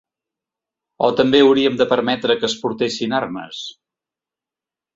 O també hauríem de permetre que es portessin armes?